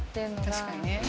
確かにね。